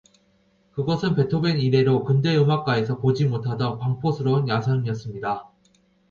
그것은 베토벤 이래로 근대 음악가에게서 보지 못하던 광포스런 야성이었습니다.